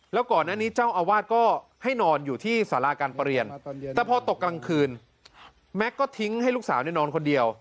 แล้วก่อนหน้านี้เจ้าอาวาสก็ให้นอนอยู่ที่สาราการประเรียนแต่พอตกกลางคืนแม็กซ์ก็ทิ้งให้ลูกสาวนอนคนเดียว